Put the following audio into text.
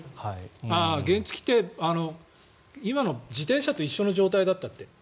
原付きって今の自転車と一緒の状態だったって。